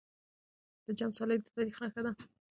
د جام څلی د تاريخ نښه ده.